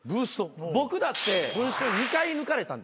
僕だって『文春』２回抜かれたんですよ。